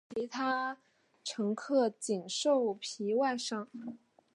其他乘客仅受皮外伤。